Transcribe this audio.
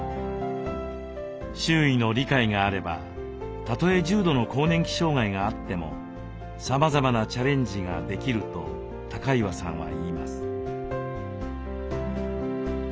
周囲の理解があればたとえ重度の更年期障害があってもさまざまなチャレンジができると高岩さんは言います。